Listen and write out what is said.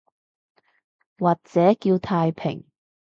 或者叫太平